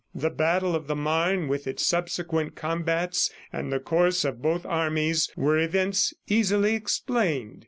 The battle of the Marne with its subsequent combats and the course of both armies were events easily explained.